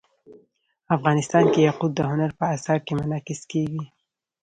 افغانستان کې یاقوت د هنر په اثار کې منعکس کېږي.